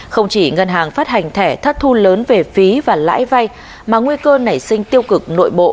không chỉ ngân hàng phát hành thẻ thất thu lớn về phí và lãi vay mà nguy cơ nảy sinh tiêu cực nội bộ